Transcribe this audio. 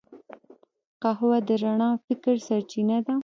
قهوه د رڼا فکر سرچینه ده